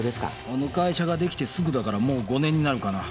あの会社ができてすぐだからもう５年になるかな。